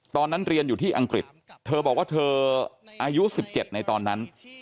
ตอนนั้นเรียนอยู่ที่อังกฤษเธอบอกว่าเธออายุ๑๗ในตอนนั้น